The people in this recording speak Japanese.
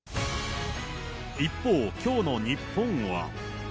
一方、きょうの日本は。